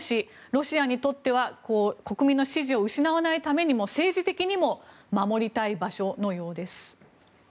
ロシアにとっては国民の支持を失わないためにも政治的にも守りたい場所のようです。